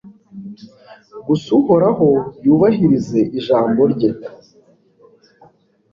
gusa, uhoraho yubahirize ijambo rye